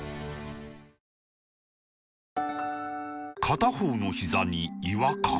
片方のひざに違和感